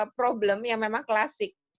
problem yang memang klasik